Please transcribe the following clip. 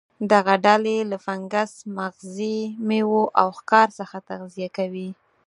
دغه ډلې له فنګس، مغزي میوو او ښکار څخه تغذیه کوله.